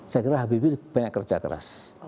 saya kira habibie banyak kerja keras